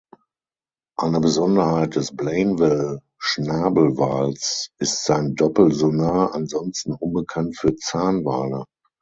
Eine Besonderheit des Blainville-Schnabelwals ist sein Doppel-Sonar, ansonsten unbekannt für Zahnwale.